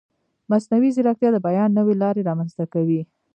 مصنوعي ځیرکتیا د بیان نوې لارې رامنځته کوي.